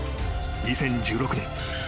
［２０１６年。